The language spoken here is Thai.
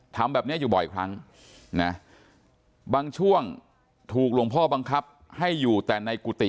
ทำแบบนี้อยู่บ่อยครั้งนะบางช่วงถูกหลวงพ่อบังคับให้อยู่แต่ในกุฏิ